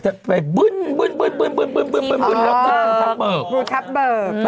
จะไปบึ้นแล้วเติมทัพเบิก